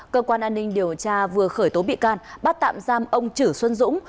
cơ quan an ninh điều tra vừa khởi tố bị can bắt tạm giam ông chử xuân dũng